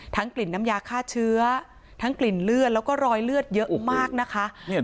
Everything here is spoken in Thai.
กลิ่นน้ำยาฆ่าเชื้อทั้งกลิ่นเลือดแล้วก็รอยเลือดเยอะมากนะคะ